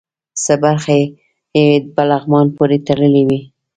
څه برخې یې په لغمان پورې تړلې وې.